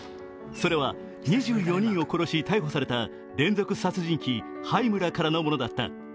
それは、２４人を殺し逮捕された連続殺人鬼榛村からのものだった。